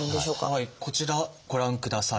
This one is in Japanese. こちらご覧ください。